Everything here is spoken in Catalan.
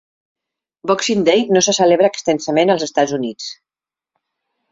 Boxing Day no se celebra extensament als Estats Units.